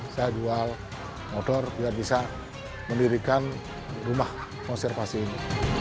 saya jual motor biar bisa mendirikan rumah konservasi ini